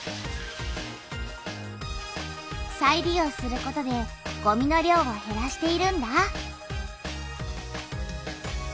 再利用することでごみの量をへらしているんだ。